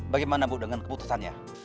bagaimana bu dengan keputusannya